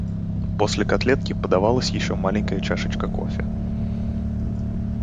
После котлетки подавалась еще маленькая чашечка кофе.